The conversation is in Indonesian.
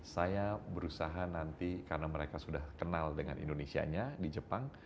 saya berusaha nanti karena mereka sudah kenal dengan indonesia nya di jepang